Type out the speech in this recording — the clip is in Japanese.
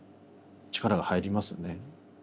力が入りますよね。